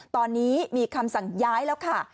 ตอนนี้มีคำสั่งย้ายแล้วค่ะ